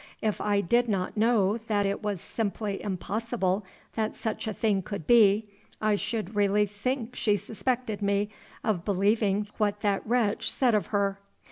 If I did not know that it was simply impossible that such a thing could be, I should really think she suspected me of believing what that wretch said of her.